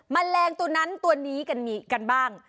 แมลงตัวนั้นตัวนี้กันมีกันบ้าง